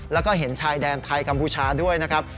แล้วก็เห็นชายแดนไทยกัมพูชาด้วยนะครับ